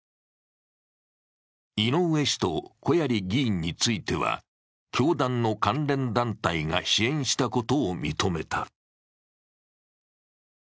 井上氏と小鑓議員については、教団の関連団体が支援したことを認めた。